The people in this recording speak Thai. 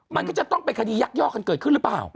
มันก็จะต้องเป็นคดียักยอกกันเกิดขึ้นหรือเปล่า